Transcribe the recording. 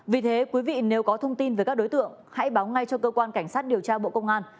vì thế quý vị nếu có thông tin về các đối tượng hãy báo ngay cho cơ quan cảnh sát điều tra bộ công an